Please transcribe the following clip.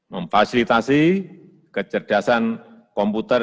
memfasilitasi kecerdasan komputer